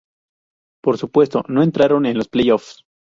Por supuesto, no entraron en los PlayOffs.